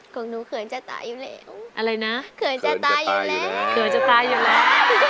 ของหนูเขินจะตายอยู่แล้วอะไรนะเขินจะตายอยู่แล้วเขินจะตายอยู่แล้ว